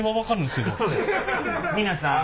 皆さん。